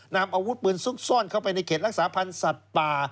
นำอาวุธปืนซุกซ่อนเข้าไปในเขตรักษาพันธ์สัตว์ป่า